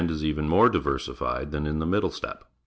is even more diversified than in the middle steppe.